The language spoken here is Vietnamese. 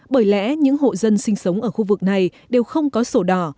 bởi lẽ những hộ dân sinh sống ở khu vực này đều không có sổ đỏ